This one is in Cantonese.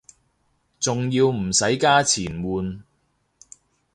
仲要唔使加錢換